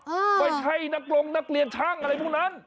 ไม่ใช่นักลงนักเรียนช่างอะไรพวกนั้น